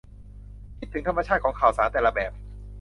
คิดถึงธรรมชาติของข่าวสารแต่ละแบบ